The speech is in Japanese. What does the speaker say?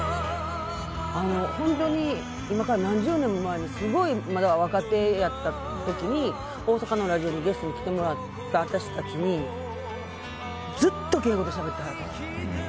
本当に今から何十年も前のすごい若手やった時に大阪のラジオでゲストに呼んでもらった私たちにずっと敬語でしゃべってはりました。